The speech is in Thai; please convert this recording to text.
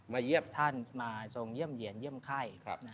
เยี่ยมท่านมาทรงเยี่ยมเยี่ยนเยี่ยมไข้